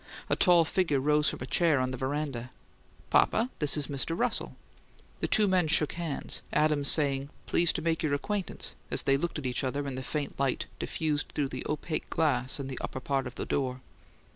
A tall figure rose from a chair on the veranda. "Papa, this is Mr. Russell." The two men shook hands, Adams saying, "Pleased to make your acquaintance," as they looked at each other in the faint light diffused through the opaque glass in the upper part of the door.